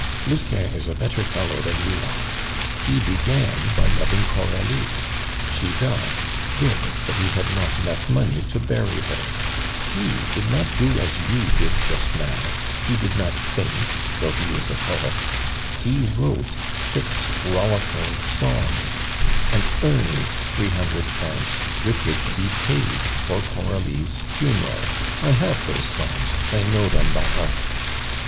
Lucien is a better fellow than you are. He began by loving Coralie. She died good; but he had not enough money to bury her; he did not do as you did just now, he did not faint, though he is a poet; he wrote six rollicking songs, and earned three hundred francs, with which he paid for Coralie's funeral. I have those songs; I know them by heart.